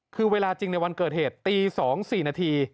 คือเวลาจริงในวันเกิดเหตุตี๒๔นาที